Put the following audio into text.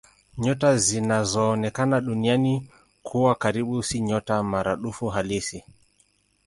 Nyota zinazoonekana Duniani kuwa karibu si nyota maradufu halisi.